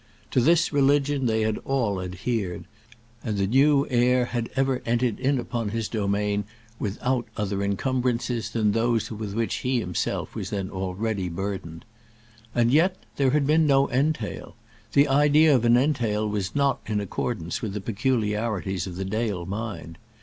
To this religion they had all adhered, and the new heir had ever entered in upon his domain without other encumbrances than those with which he himself was then already burdened. And yet there had been no entail. The idea of an entail was not in accordance with the peculiarities of the Dale mind.